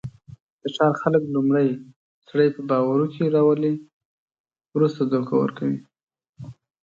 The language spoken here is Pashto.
د ښار خلک لومړی سړی په باورکې راولي، ورسته دوکه ورکوي.